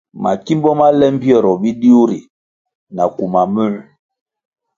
Makimbo ma le mbpieroh bidiu ri na kuma múer,